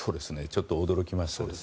ちょっと驚きました。